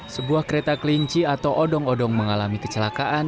sebuah kereta kelinci atau odong odong mengalami kecelakaan